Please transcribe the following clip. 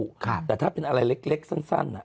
อยากจะเล่นไปแสดงอะไรเล็กสั้น